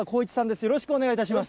よろしくお願いします。